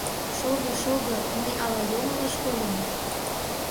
Шого, шого, мый ала йоҥылыш кольым?